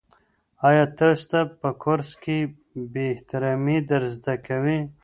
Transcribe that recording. آیا تاسو ته په کورس کې بې احترامي در زده کوي؟